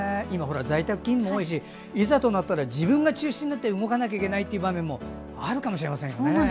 今在宅勤務が多いしいざとなったら自分が中心となって動かなくてはいけない場面もあるかもしれませんね。